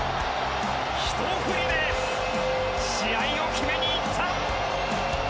ひと振り目で試合を決めに行った！